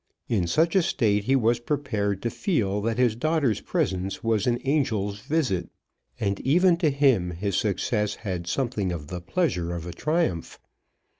In such a state he was prepared to feel that his daughter's presence was an angel's visit. And even to him his success had something of the pleasure of a triumph.